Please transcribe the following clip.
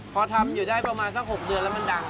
พอทำอยู่ได้ประมาณสัก๖เดือนแล้วมันดัง